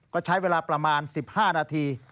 ก็ใช้เวลาประมาณ๑๕นาที